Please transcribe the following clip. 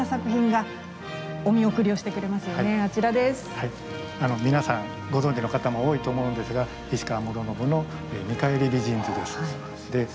はい皆さんご存じの方も多いと思うんですが菱川師宣の「見返り美人図」です。